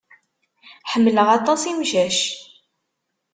Ḥemmleɣ aṭas imcac.